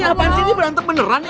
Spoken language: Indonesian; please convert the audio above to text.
ini apaan sih ini berantem beneran